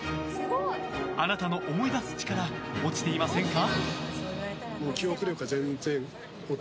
あなたの思い出す力落ちていませんか？